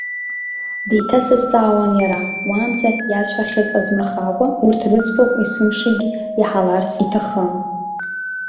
Деиҭасазҵаауан иара, уаанӡа иасҳәахьаз азмырхакәа, урҭ рыӡбахә есымшагьы иаҳаларц иҭахын.